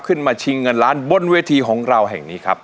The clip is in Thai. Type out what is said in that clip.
มาชิงเงินล้านบนเวทีของเราแห่งนี้ครับ